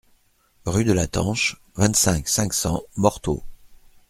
Rue de la Tanche, vingt-cinq, cinq cents Morteau